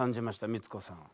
光子さんは。